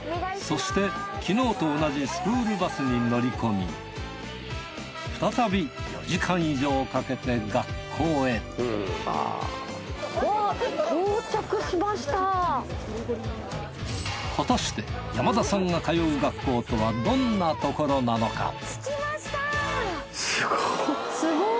そして昨日と同じスクールバスに乗り込み再び４時間以上かけて学校へ果たして山田さんが通う学校とはどんなところなのか？